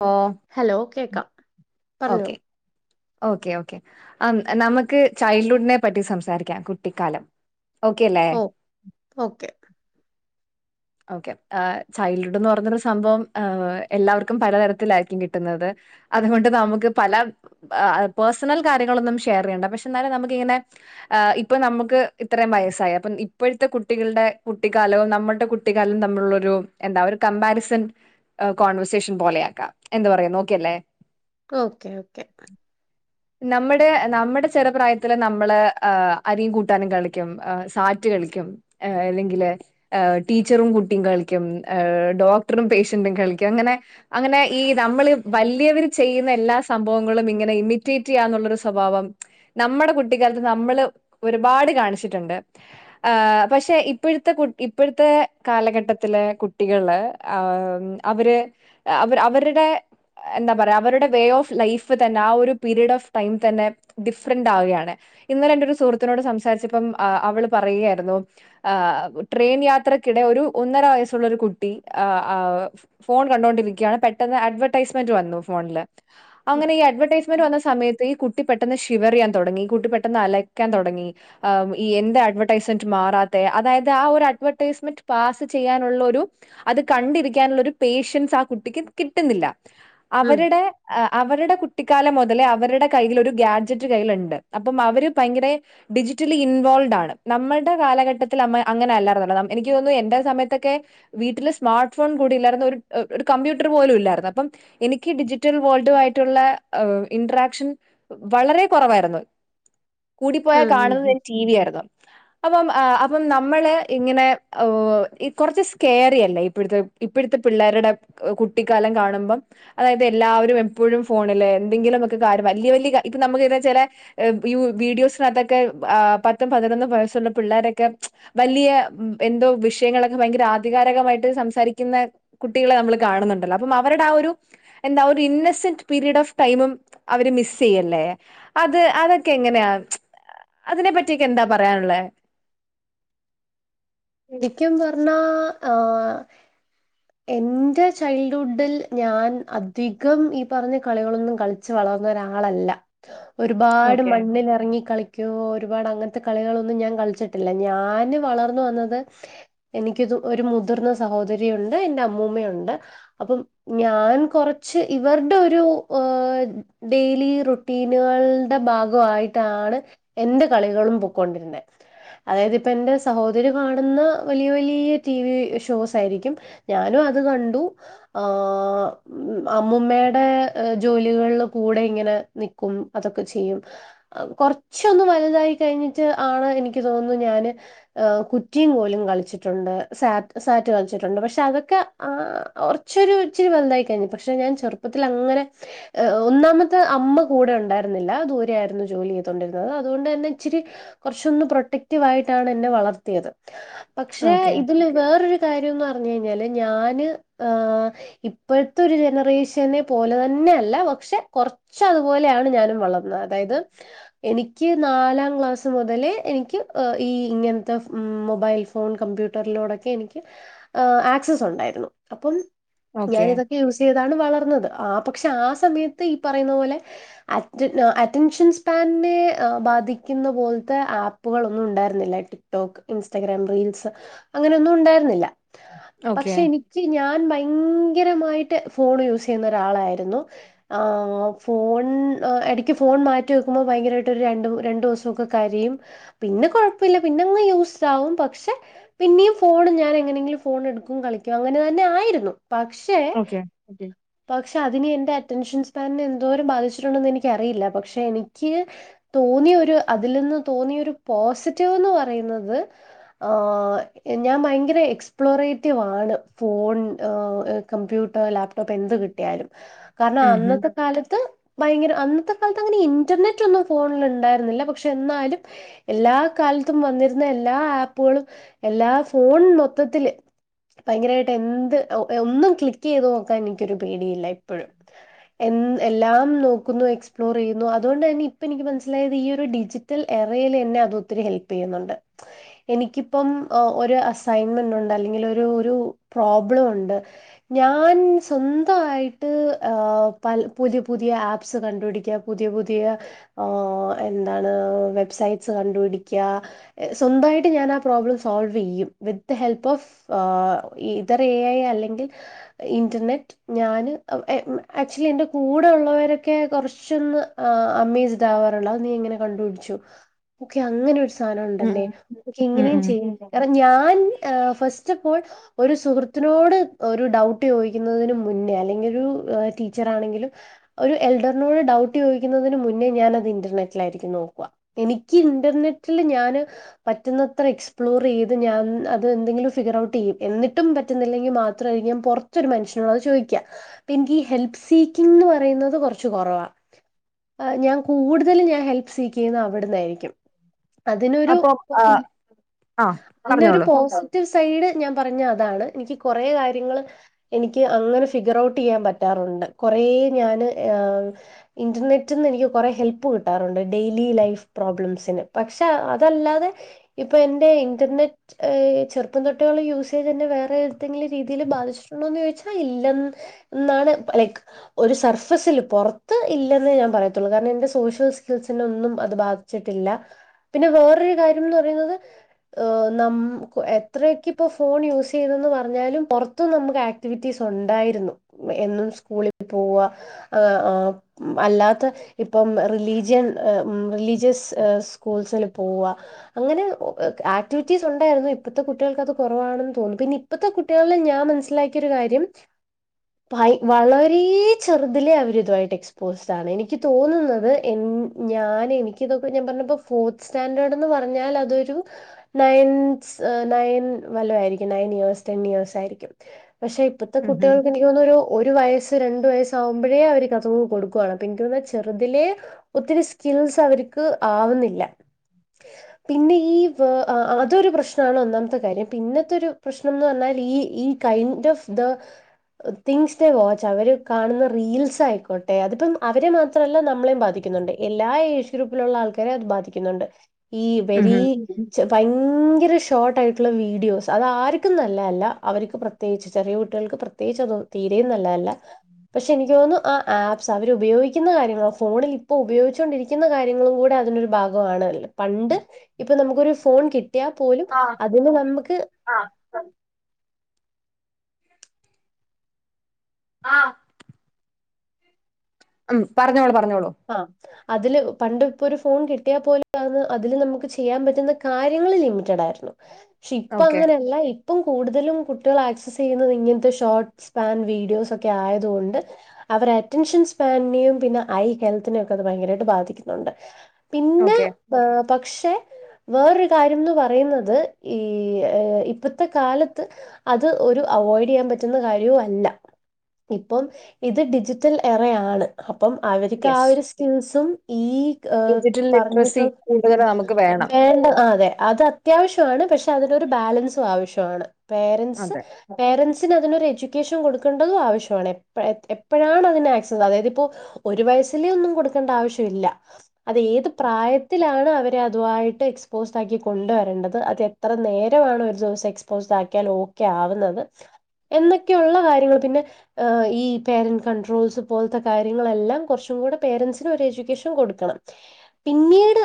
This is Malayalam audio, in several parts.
ഓ ഹലോ കേക്കാം പറഞ്ഞോ ഓക്കെ ഓക്കെ ഓക്കേ ഹേം നമ്മക്ക് ചൈൽഡ്ഹുഡിനെ പറ്റി സംസാരിക്കാം കുട്ടിക്കാലം ഓക്കെ അല്ലേ ഓ ഓക്കെ ഓക്കെ ഏ ചൈൽഡ്ഹുഡെന്ന് പറഞ്ഞോരു സംഭവം ഏ എല്ലാവർക്കും പലതരത്തിലായിരിക്കും കിട്ടുന്നത് അതുകൊണ്ട് നമ്മക്ക് പല എ അ പേഴ്സണൽ കാര്യങ്ങളൊന്നും ഷെയർ ചെയ്യണ്ട പക്ഷെ ഇന്നാലും നമ്മക്ക് ഇങ്ങനെ ഏ ഇപ്പൊ നമ്മുക്ക് ഇത്രയും വയസ്സായി അപ്പം ഇപ്പോഴത്തെ കുട്ടികളുടെ കുട്ടിക്കാലവും നമ്മളുടെ കുട്ടി കുട്ടി കാലവും തമ്മിലുള്ളൊരു എന്താ ഒരു കമ്പാരിസൺ എ കോൺവെർസേഷൻ പോലെയക്കാം എന്ത് പറയുന്നു ഓക്കേ അല്ലേ കൊ ഓക്കെ ഓക്കെ നമ്മടെ നമ്മടെ ചെറു പ്രായത്തിൽ നമ്മൾ ഏ അരിയും കൂട്ടാനും കളിക്കും ഏ സാറ്റ് കളിക്കും ഏ ഇല്ലെങ്കിൽ ഏ ടീച്ചറും കുട്ടിയും കളിക്കും ഏ ഡോക്ടറും പേഷ്യന്റും കളിക്കും അങ്ങനെ അങ്ങനെ ഈ നമ്മൾ വല്ലിയവര് ചെയ്യുന്ന എല്ലാ സംഭവങ്ങളും ഇങ്ങനെ ഇമിറ്റേറ്റ് ചെയ്യാന്നുള്ളൊരു സ്വഭാവം നമ്മടെ കുട്ടിക്കാലത്ത് നമ്മൾ ഒരുപാട് കാണിച്ചിട്ടുണ്ട് ഏ പക്ഷെ ഇപ്പോഴത്തെ കുട്ടി ഇപ്പോഴത്തെ ന്നത്തെ കാലഘട്ടത്തിലെ കുട്ടികള് അവര് അവര് അവരുടെ എന്താ പറയാ അവരുടെ വേ ഓഫ് ലൈഫ് തന്നെ ആ ഒരു പീരയഡ് ഓഫ് ടൈം തന്നെ ഡിഫ്രെന്റ് ആവാണ് ഇന്നലെ എന്റെ ഒരു സുഹൃത്തിനോട് സംസാരിച്ചപ്പം അവള് പറയുകയായിരുന്നു ആ ട്രെയിൻയാ ത്രയ്ക്കിടെ ഒരു ഒന്നര വയസ്സുള്ള ഒരു കുട്ടി അ ആ ഫോൺ കണ്ടൊണ്ടിരിക്ക്യാണ് പെട്ടെന്ന് അഡ്വെർടൈസ്മെന്റ് വന്നു ഫോണില് ഉം അങ്ങനെ ഈ അഡ്വർടൈസ്മെന്റ് വന്ന സമയത്ത് ഈ കുട്ട് കുട്ടി പെട്ടന്ന് ഷിവർയ്യാൻ തൊടങ്ങി കുട്ടി പെട്ടെന്ന് അലയ്ക്കാൻ തൊടങ്ങി ആ ഈ എന്ത അഡ്വർടൈസ്മെന്റ് മാറാത്തെ അതായത് ആ ഒരഡ്വർ ടൈസ്‌മെന്റ് പാസ് ചെയ്യാനുള്ള ഒരു അത് കണ്ടിരിക്കാനുള്ള ഒരു പേഷ്യൻസ് ആ കുട്ടിക്ക് കിട്ടുന്നില്ല. ഉം അവരുടെ അവരുടെ കു ട്ടിക്കാലം മൊതലേ അവരുടെ കയ്യിൽ ഒരു ഗാഡ്ജറ്റ് കൈലൊണ്ട് അപ്പം അവര് ഭയങ്കര ഡിജിറ്റലി ഇൻവോൾവ്ഡ് ആണ് നമ്മൾടെ കാലഘട്ടത്തിലമ്മ അങ്ങനെ അല്ലാര്ന്നല്ലോ. എനിക്ക് തോന്നുന്നു എന്റെ സമയത്തൊക്കെ വീട്ടില് സ്മാർട്ട് ഫോൺ കൂടി ഇല്ലാരുന്നു ഒരു ഒരു കമ്പ്യൂട്ടർ പോലും ഇല്ലാരുന്നു അപ്പം എനിക്ക് ഡിജിറ്റൽ വേൾഡുവായിട്ടൊള്ളെ ഇന്ററാക്ഷൻ വളരേ കുറവായിരുന്നു കൂടിപ്പോയാൽ ഉം കാണുന്നത് ഉം. ഞാൻ ടി വി ആയിരുന്നു അപ്പം അപ്പം നമ്മള് ഇങ്ങനെ കുറച്ച് സ്കെയറിയല്ലേ ഇപ്പഴത്തെ ഇപ്പഴത്തെ പിള്ളേരുടെ കുട്ടിക്കാലം കാണുമ്പം, അതായത് എല്ലാവരും എപ്പോഴും ഫോണില് എന്തെങ്കിലുമൊക്കെ കാര്യം വല്ല്യ വല്ല്യ കാ ഇപ്പ നമുക്ക് എന്താച്ചാല് വീഡിയോസിനകത്തൊക്കെ പത്തും പതിനൊന്നും വയസ്സുള്ള പിള്ളേരൊക്കെ വലിയ എന്തോ വിഷയങ്ങളങ്ങ് ഭയങ്കര ആധികാരകമായിട്ട് സംസാരിക്കുന്ന കുട്ടികളെ നമ്മള് കാണുന്നുണ്ടല്ലോ അപ്പം അവരുടെ ആ ഒരു എന്താ ഒരു ഇന്നസെന്റ് പീരീഡ് ഓഫ് ടൈമും അവര് മിസ് ചെയ്യല്ലേ അത് അതൊക്കെ എങ്ങനെയാ അതിനെ പറ്റീക്കെ എന്താ പറയാനുള്ളത്? ശരിക്കും പറണ്ണാ ആ എന്റെ ചൈൽഡ്ഹുഡിൽ ഞാൻ അധികം ഈ പറഞ്ഞ കളികളൊന്നും കളിച്ച് വളർന്ന ഒരാളല്ല. ഒരുപാട് ഓക്കെ മണ്ണിലെറങ്ങി കളിക്കുവോ ഒരുപാട് അങ്ങനത്തെ കളികളൊ ഞൻ കളിച്ചിട്ടില്ല, ഞാന് വളർന്ന് വന്നത് എനിക്കത് ഒരു മുതിർന്ന സഹോദരി ഉണ്ട് എന്റെ അമ്മൂമ്മയൊണ്ട് അപ്പം ഞാൻ കുറച്ച് ഇവർടെ ഒരു ഏ ഡെയിലി റുട്ടീനുകളുടെ ഭാഗമായിട്ടാണ് എന്റെ കളികളും പൊക്കൊണ്ടിരുന്നെ അതായത് ഇപ്പ എന്റെ സഹോദരി കാണുന്ന വലിയ വലിയ ടി വി ഷോസ് ആയിരിക്കും, ഞാനും അത് കണ്ടു, ആ അമ്മൂമ്മേടെ ജോലികളിൽ കൂടെ ഇങ്ങനെ നിക്കും അതൊക്കെ ചെയ്യും കൊറച്ചൊന്ന് വലുതായി കഴിഞ്ഞിട്ട് ആണ് എനിക്ക് തോന്നുന്നു ഞാന് കുറ്റിയും കോലും കളിച്ചിട്ടുണ്ട് സാറ്റ് സാറ്റ് കളിച്ചിട്ടുണ്ട് പക്ഷെ പക്ഷെ അതൊക്കെ ആ കൊറച്ചൊരു ഇച്ചിരി വലുതായി കഴിഞ്ഞ് പക്ഷെ ഞാൻ ചെറുപ്പത്തിൽ അങ്ങനെ, ഒന്നാമത് അമ്മ കൂടെ ഒണ്ടായിരുന്നില്ല, ദൂരെ ആയിരുന്നു ജോലി ചെയ്തൊണ്ടിരുന്നത് അതുകൊണ്ട്ന്നെ ഇച്ചിരി കുറച്ചൊന്ന് പ്രൊട്ടക്റ്റീവായിട്ടാണ് എന്നെ വളർത്തിയത്. പക്ഷെ ഓക്കെ ഇതില് വേറൊരു തരും ന്ന് പറ പറഞ്ഞ് കഴിഞ്ഞാൽ ഞാൻ ഏ ഇപ്പോഴത്തെ ഒരു ജനറേഷനെ പോലെ തന്നെ അല്ല പക്ഷെ കൊറച്ച് അതുപോലെയാണ് ഞാനും വളർന്നത് അതായത് എനിക്ക് നാലാം ക്ലാസ് മുതലേ എനിക്ക് ഈ ഇങ്ങൻത്തെ മൊബൈൽ ഫോൺ കമ്പ്യൂട്ടറിലൂടൊക്കെ എനിക്ക് ഏ ആക്സസ് ഒണ്ടായിരുന്നു അപ്പം ഞാൻ ഓക്കെ ഇതൊക്കെ യൂസ് ചെയ് ഇതാണ് വളർന്നത് ആ പക്ഷെ ആ സമയത്ത് ഈ പറയുന്ന പോലെ അറ്റ അറ്റൻഷൻ സ്പാനിനെ ബാധിക്കുന്ന പോൽത്തെ ആപ്പുകളൊന്നും ഉണ്ടായിരുന്നില്ല ടിക്ടോക്ക് ഇൻസ്റ്റഗ്രാം റീൽസ് അങ്ങനെയൊന്നും ഉണ്ടായിരുന്നില്ല ഓക്കെ പക്ഷെ എനിക്ക് ഞാൻ ഭയങ്കരമായിട്ട് ഫോൺ യൂസ് ചെയ്യുന്ന ഒരാളായിരുന്നു ആ ഫോൺ ഇടക്ക് ഫോൺ മാറ്റി വെക്കുമ്പോൾ ഭയങ്കരമായിട്ട് ഒരു രണ്ട്‌ രണ്ടു ദിവസവൊക്കെ കരയും പിന്നെ കൊഴപ്പയില്ല പിന്നെങ്ങ് യൂസ്ഡ് പക്ഷെ പിന്നെയും ഫോൺ ഞാൻ എങ്ങനെങ്കിലും ഫോൺ എടുക്കും കളിക്കും അങ്ങനെ തന്നെ ആയിരുന്നു പക്ഷെ ഓക്കെ പക്ഷെ അതി [unintelligible] അറ്റൻഷൻ സ്പാനിനെ എന്തോരം ബാധിച്ചിട്ടുണ്ടെന്ന് എനിക്കറിയില്ല പക്ഷെ എനിക്ക് തോന്നിയ ഒരു അതിൽ നിന്ന് തോന്നിയ ഒരു പോസിറ്റീവ്ന്ന് പറയുന്നത് ഏ ഞാൻ ഭയങ്കര എക്സ് എ്പ്ലോറേറ്റീവ്ണ് ഫോൺ കമ്പ്യൂട്ടർ ലാപ്ടോപ്പ് എന്ത് കിട്ടിയാലും കാരണം ഉം ഹും അന്നത്തെ കാലത്ത് ഭയങ്കര അന്നത്തെ കാലത്ത് അങ്ങനെ ഇന്റർനെറ്റ് ഒന്നും ഫോണിൽ ഉണ്ടായിരുന്നില്ല പക്ഷെ എന്നാലും എല്ലാ കാലത്തും വന്നിരുന്ന എല്ലാ ആപ്പുകളും എല്ലാ ഫോണൊ മത്തത്തിൽ ഭയങ്കരമായിട്ട് എന്ത് ഒന്നും ക്ലിക്ക് ചെയ്ത് നോക്കാൻ എനിക്കരു പേടിയില്ല ഇപ്പോഴും എ എല്ലാം നോക്കുന്നു എക്സ്പ്ലോർ ചെയ്യുന്നു അതുകൊണ്ട് തന്നെ ഇപ്പ എനിക്ക് മനസ്സിലായത് ഈ ഒരു ഡിജിറ്റൽ എറയിൽ എന്നെ അത്ൊത്തിരി ഹെൽപ് ചെയ്യുന്നുണ്ട് എനിക്കിപ്പം അസൈ ണ്ട് അല്ലെങ്കിൽ ഒരു പ്രോബ്ലം ഉണ്ട് ഞാൻ സ്വന്തമായിട്ട്് പുതിയ പുതിയ ആപ്സ് കണ്ടുപിടിക്കുക പുതിയ പുതിയ എന്താണ് വെബ്സൈറ്റ്സ് കണ്ടുപിടിക്കുക സ്വന്തമായിട്ട് ഞാൻ ആ പ്രോബ്ലം സോൾവ് ചെയ്യും ഹെൽപ് ഓഫ് ഇതർ ഐ അല്ലെങ്കിൽ ഇന്റർനെറ്റ് ഞാന് ആക്ച്വലി എന്റെ കൂടെ ഉള്ളവരൊക്കെ കുറച്ചൊന്ന് അമ്മേസ്ഡ് ആവാറുള്ള അത് നീ ഇങ്ങനെ കണ്ടുപടിച്ചു ഓെ അങ്ങനെ ാനം ഉം ഉണ്ടല്ലേ ഉം ഉം ഇങ്ങനെയും ഉം ചെയ്യ കണം ഞാൻ ഫസ്റ്റ് ഫ് ഓൾ ഒരു സുഹൃത്തിനോട് ഒരു ഡൗട്ട് ചോദിക്കുന്നതിനന് മുന്നേ അല്ലെങ്കിൽ ഒരു ടീച്ചർ ആണെങ്കിലും ഒരു എൽഡറിനോട് ഡൗട്ട് ചോദിക്കുന്നതിന് മുന്നേ ഞാനത് ഇന്റർനെറ്റിലായിരിക്കും നോക്കുക എനിക്ക് ഇന്റർനെറ്റിൽ ഞാന് പറ്റുന്നത്ര എക്സ്പ്ലോർ ചെയ്ത് ഞാൻ അത് എന്തെങ്കിലും ഫിഗർ ഔട്ട് ചെയ്യും എന്നിട്ടും പറ്റുന്നില്ലെങ്കിൽ മാത്രമായിരിക്ക ഞാൻ പുറത്തൊരു മനുഷ്യനോട് അത് ചോദിക്കുക എനിക്ക് ഈ ഹെൽപ് സീക്കിംഗ എന്ന് പറയുന്നത് കുറച്ച് കുറവാാണ് ഞാൻ കൂടുതൽ ഞാൻ ഹെൽപ് സീക്ക് ചെയ്യുന്നത് അവിടുന്നായിരിക്കും അതിനൊരു അപ്പൊ ആഹ ആഹ പറഞ്ഞോളൂ ് സൈഡ് ഞാൻ പറഞ്ഞ അതാണ് എനിക്ക് കുറെേ കാര്യങ്ങൾ എനിക്ക് അങ്ങനെ ഫിഗർ ഔട്ട് ചെയ്യാൻ പറ്റാറുണ്ട് കുറെേ ഞാന് ഇന്റർനെറ്റന്ന് എനിക്ക് കുറ ഹെൽപ്പ് കിട്ടാറുണ്ട് ഡെയിലി ലൈഫ് പ്രോബ്ലംസിന് പക്ഷെ അതല്ലാതെ ഇപ്പൊ എൻന്റെ ഇന്റർനെറ്റ് ചെറുപ്പം തൊട്ടികൾ യൂസ് ചെയ്ത്ന്നെ വേറെ ഏതെങ്കിലും രീതിയിൽ ബാധിച്ചിട്ടുണ്ടോന്ന് ചോദിച്ചാ ഇല്ല എന്നാണ് ലൈക്ക് ഒരു സർഫസിൽ പുറത്ത് ഇല്ലെന്നേ ഞാൻ പറയത്തുള്ളൂ കാരണം എന്റെ സോഷ്യൽ സ്കിൽസിനെ ഒന്നും അത് ബാധിച്ചിട്ടില്ല പിന്നെ വേറൊരു കാര്യംന്ന് പറയുന്നത് ന എത്രയൊക്കെ ഇപ്പോ ഫോൺ യൂസ് ചെയ്തന്ന് പറഞ്ഞാലും പുറത്തും നമുക്ക് ആക്ടിവിറ്റീസ് ഉണ്ടായിരുന്നു എന്നും സ്കൂളിൽ പോവ അല്ലാത്ത ഇപ്പം റിലീജിയൻ റിലീജിയസ് സ്കൂൾസിൽ പോവ അങ്ങനെ ആക്ടിവിറ്റീസ് ഉണ്ടായിരുന്നു ഇപ്പോഴത്തെ കുട്ടികൾക്ക്ത് കുറവാണെന്ന് തോന്നുന്നു പിന്നെ ഇപ്പോഴത്തെ കുട്ടികളിൽ ഞാൻ മനസ്സിലാക്കിയൊരു കാര്യം വളരെ ചെറുതിലെ അവരിതുായിട്ട് എക്സ്പോസ്ഡ് ആണ് എനിക്ക് തോന്നുന്നത് എ ഞാൻ എനിക്ക്തൊക്കെ ഞാൻ പറഞ്ഞ ഫോർത്ത് സ്റ്റാൻഡേർഡ് എന്ന് പറഞ്ഞാൽ അതൊരു നയൻസ് നയൻ വല്ല ആയിരിക്കും നയൻ ഇയേർസ് ടെൻ ഇയേഴ്സ് ആയിരിക്കും പക്ഷെ ഇപ്പഴത്തെ ഉം ഹും കുട്ടികൾക്ക് എനിക്ക് തോന്ന ഒരു വയസ് രണ്ട വയസാവുമ്പോഴേ അവര് കഥ കൊടുക്കുവാണ് ചെറുതിലെ ഒത്തിരി സ്കിൽസ് അവർക്ക് ആവുന്നില്ല പിന്നെ ഈ ആ അതൊരു പ്രശ്നമാണ് ഒന്നാമത്തെ കാര്യം പിന്നത്തെ ഒരു പ്രശ്നം എന്ന് പറഞ്ഞാൽ ഈ ഈ kind of the things the watch അവര് കാണുന്ന റീൽസ് ആയിക്കോട്ടെ അതിപ്പം അവരെ മാത്രമല്ല നമ്മളെയും ബാധിക്കുന്നുണ്ട് എല്ലാ ഏജ് ഗ്രൂപ്പിലുള്ള ആൾക്കാരെയ അത് ബാധിക്കുന്നുണ്ട് ഈ ഉം ബരീ ഹും ഭയങ്കര ഷോർട്ടായിട്ടുള്ള വീഡിയോസ് അത ആർക്കും നല്ലതല്ല അവർക്ക് പ്രത്യേകിച്ച് ചെറിയ കുട്ടികൾക്ക് പ്രത്യേകിച്ച് അത് തീരയും നല്ലതല്ല പക്ഷെ എനിക്ക് തോന്നുന്നു ആ ആപ്സ് അവർ ഉപയോഗിക്കുന്ന കാര്യങ്ങളൾ ഫോണിൽ ഇപ്പോൾ ഉപയോഗിച്ചു കൊണ്ടിരിക്കുന്ന കാര്യങ്ങളും കൂടെ അതിനൊരു ഭാഗമാണ് പണ്ട് ഇപ്പൊ നമുക്കൊരു ഫോൺ കിട്ടിയാൽ പോലും ആ അതിന് നമുക്ക് ആ ആ ഉം പറഞ്ഞോളെ പറഞ്ഞ ആ അതില് പണ്ട ഇപ്പോ ഒരു ഫോൺ കിട്ടിയാ പോല അതില് നമുക്ക് ചെയ്യാൻ പറ്റുന്ന കാര്യങ്ങള് ലിമിറ്റഡ ആയിരുന്നു പക്ഷെ ഇപ്പ ഓക്കെ അങ്ങനെയല്ല ഇപ്പം കൂടുതലും കുട്ടികൾ ആക്സ ചെയ്യുന്നത് ഇങ്ങനത്തെ ഷോർട്ട് സ്പാൻ വീഡിയോസ് ഒക്കെ ആയതുകൊണ്ട് അവർ അറ്റൻഷൻ സ്പാനും പിന്നെ ഐ ഹെൽത്തിനെൊക്കെ അത് ഭയങ്കരമായിട്ട് ബാധിക്കുന്നുണ്ട് പിന്നെ ഓക്കെ പക്ഷെ വേറൊരു കാര്യംന്ന് പറയുന്നത് ഈ ഇപ്പോഴത്തെ കാലത്ത് അത് ഒരു അവോയ്ഡ് ചെയ്യാൻ പറ്റുന്ന കാര്യവും അല്ല ഇപ്പം ഇത് ഡിജിറ്റൽ എറെയാണ് അപ്പം ഇക്ക് ആ യെസ് ഒരു സ്കിൽസും ഏ ഡിജിറ്റൽ ലിറ്ററസി പറഞ്ഞിട്ട കൂടുതൽ നമുക്ക് വേണം വേണ്ട അ അതെ അത് അത്യാവശ്യമാണ് പക്ഷെ അതിനൊരു ബാലൻസും ആവശ്യമാണ് പേരൻറ്സ് അതെ പേരൻറ്സ് അതിനൊരു എഡ്യൂക്കേഷൻ കൊടുക്കേണ്ടതും ആവശ്യമാണ് എപ്പോഴാണ് അതിന ആക്സിമ അതായത് ഇപ്പോ ഒരു വയസ് ഒന്നും കൊടുക്കേണ്ട ആവശ്യമില്ല അത് ഏത് പ്രായത്തിലാണ് അവരെ അതുായിട്ട് എക്സ്പോസ്ഡ് ആക്കി കൊണ്ടുവരേണ്ടത് അത് എത്ര നേരമാണ് ഒരു ദിവസം എക്സ്പോസ്ഡ് ആക്കിയാൽ ഓക്കെ ആവുന്നത് എന്നൊക്കെയുള്ള കാര്യങ്ങൾ പിന്നെ ഈ പേരന്റ് കൺട്രോൾസ് പോലത്തെ കാര്യങ്ങളെല്ലാം കുറച്ച് കൂടേ പേരൻസിന് ഒരു എജ്യൂക്കേഷൻ കൊടുക്കണം പിന്നീട്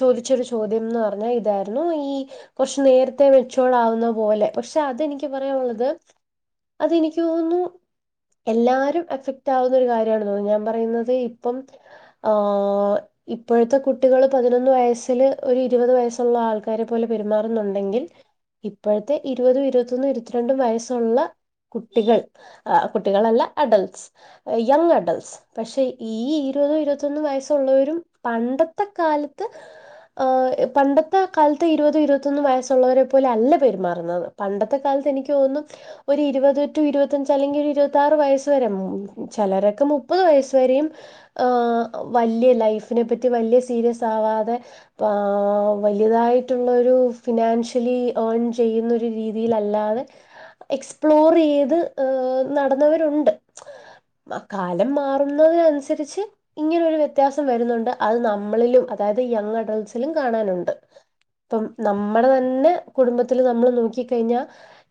ചോദിച്ച ഒരു ചോദ്യംന്ന് പറഞ്ഞാൽ ഇതായിരുന്നു ഈ കുറച്ച് നേരത്തെ മെച്ചോർഡ് ആവുന്ന പോലെ പക്ഷെ അതെനിക്ക് പറയാനുള്ളത് അതെനിക്ക് തോന്നുന്നു എല്ലാരും എഫക്ട് ആവുന്ന ഒരു കാര്യണ് ഞാൻ പറയുന്നത് ഇപ്പം ആ ഇപ്പോഴത്തെ കുട്ടികള് പതിനൊന്ന് വയസ്സില് ഒരു ഇരുപത് വയസ്സുള്ള ആൾക്കാരെ പോലെ പെരുമാറുന്നുണ്ടെങ്കിൽ ഇപ്പോഴത്തെ ഇരുപത ഇരുപത്തൊന്നും ഇരുപത്തിരണ്ടും വയസ്സുള്ള കുട്ടികൾ കുട്ടികളല്ല അഡൾട്ടസ് യങ് അഡൾസ് പക്ഷെ ഈ ഇരുപതോ ഇരുപത്തൊന്ന് വയസ്സുള്ളവരും പണ്ടത്തെ കാലത്ത് ഹ പണ്ടത്തെ കാലത്ത് ഇരുപതോ ഇരുപത്തൊന്ന വയസ്സുള്ളവരെ പോലെ അല്ല പെരുമാറുന്നത് പണ്ടത്തെ കാലത്ത് എനിക്ക് തോന്നും ഒരു ഇരുപത് ടു ഇരുപത്തഞ്ച് അല്ലെങ്കിൽ ഒരു ഇരുപത്തി ആറ് വയസ് വരെ ചിലരൊക്കെ മുപ്പത് വയസ് വരെയും വലിയ ലൈഫിനെ പറ്റി വലിയ സീരിയസ് ആവാതെ വലിയതായിട്ടുള്ള ഒരു ഫിനാൻഷ്യലി ഏൺ ചെയ്യുന്ന ഒരു രീതിൽല്ലാതെ എക്സ്പ്ലോർ ചെയ്ത് നടന്നവരുണ്ട് കാലം മാറുന്നതിനനുസ നുസരിച്ച് ഇങ്ങനെ ഒരു വ്യത്യാസം വരുന്നുണ്ട് അത് നമ്മളിലും അതായത് യങ് അഡൾസിലും കാണാനുണ്ട് ഇപ്പം നമ്മുടെ തന്നെ കുടുംബത്തില്നമ്മൾ നോക്കിക്കഴിഞ്ഞാൽ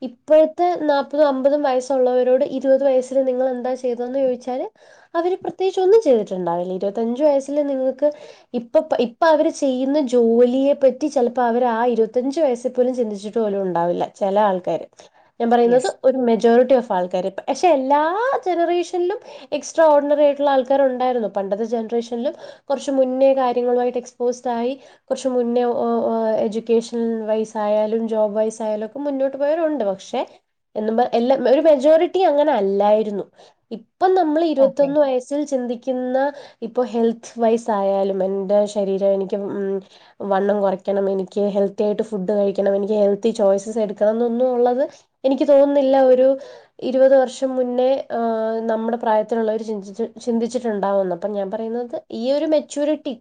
ഇപ്പോഴത്തെ നാല്പതും അമ്പതും വയസ്സുള്ളവരോട് ഇരുപത് വയസില് നിങ്ങൾ എന്താ ചെയ്തന്ന് ചോദിച്ചാല് അവര് പ്രത്യേകിച്ച ഒന്നും ചെയ്തിട്ടുണ്ടാവില്ല ഇരുപത്തഞ്ചു വയസ്സില് നിങ്ങൾക്ക് ഇപ്പ ഇപ്പൊ അവര് ചെയ്യുന്ന ജോലിയെ പറ്റി ചിലപ്പോ അവർ ആ ഇരുപത്തഞ്ചു വയസ്സെപ്പോലും ചിന്തിച്ചിട്ട് പോലും ഉണ്ടാവില്ല ചില ആൾക്കാാര് ഞാൻ പറയുന്നത് യെസ് ഒരു മെജോറിറ്റി ഓഫ് ആൾക്ക പക്ഷെ എല്ലാ ജനറേഷനിലും എക്സ്ട്രാ ഓർഡിനറി ആയിട്ട ുള്ള ആൾക്കാർ ഉണ്ടായിരുന്നു പണ്ടത്തെ ജനറേഷനിലും കുറച്ച മുന്നേ കാര്യങ്ങളുമായിട്ട് എക്സ്പോസ്ഡ് ആയി കുറച്ച മുന്നേ എഡ്യൂക്കേഷൻ വൈസ് ആയാലും ജോബ് വൈസ് ആയാലും ഒക്കെ മുന്നോട്ട് പോയവരുണ്ട് പക്ഷെ എന്നും എല്ലാം ഒരു മെജോറിറ്റി അങ്ങനെ അല്ലായിരുന്നു ഇപ്പം നമ്മൾ ഓക്കെ ഇരുപൊന്ന് വയ ചിന്തിന്ന ഇപ്പോ ഹെൽത്ത് വൈസ് ആയാലും എറെ ശരീരം എനിക്ക് വണ്ണം കുറക്കണം എനിക്ക് ഹെൽത്തി ആയിട്ട് ഫുഡ് കഴിക്കണം എനിക്ക് ഹെൽത്തി ചോയ്സസ് എടുക്കണം എന്നൊന്നും ഉള്ളത് എനിക്ക് തോന്നുന്നില്ല ഒരു ഇരുപത് വർഷം മുന്നേ നമ്മുടെ പ്രായത്തിലുള്ള ഒരു ചിന്തി ചിന്തിച്ചിട്ടുണ്ടാാവുന്നു അപ്പൊ ഞാൻ പറയുന്നത് ഈ ഒരു മെച്യൂരിറ്റി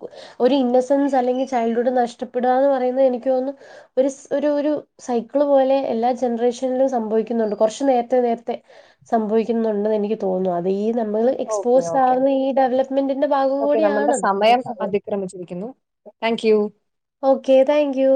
ഒരു ഇന്നസെൻസ് അല്ലെങ്കിൽ ചൈൽഡ്ഹുഡ് നഷ്ടപ്പെടുക എന്ന് പറയുന്നത് എനിക്ക് തോന്നുന്നു ഒരു ഒരു ഒരു സൈക്കിള് പോലെ എല്ലാ ജനറേഷനിലും സംഭവിക്കുന്നുണ്ട് കുറച്ച് നേരത്തെ നേരത്തെ സംഭവിക്കുന്നുണ്ടെന്ന് എനിക്ക് തോന്നുന്നു അത ഈ നമ്മള് എക്സ്പോസ് ഓക്കേ നമ്മളുടെ കൂടിയാണത് സമയം അതിക്രമിച്ചിരിക്കുന്നു thank you okay thank U